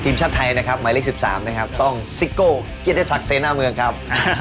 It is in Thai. ทีมชาติไทยหมายเลข๑๓ต้องซิโก้เกียรติศักดิ์เซนหน้าเมืองครับ